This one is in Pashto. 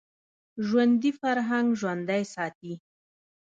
ژوندي فرهنګ ژوندی ساتي